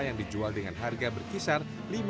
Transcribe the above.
yang dijual dengan harga berkisar